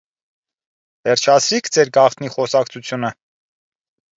վերջացրի՞ք ձեր գաղտնի խոսակցությունը: